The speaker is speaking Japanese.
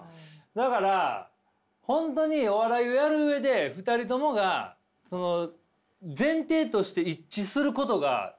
だから本当にお笑いをやる上で２人ともが前提として一致することが絶対あった方がいいよね。